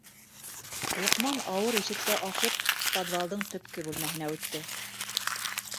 Лоҡман ауыр ишекте асып подвалдың төпкө бүлмәһенә үтте.